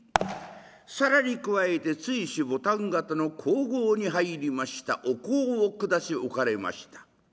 更に加えて堆朱牡丹型の香合に入りましたお香を下しおかれました。